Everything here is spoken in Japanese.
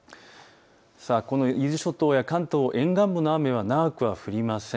伊豆諸島や関東沿岸部の雨は長くは降りません。